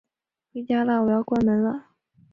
回家啦，我要关门了